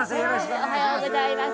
おはようございます。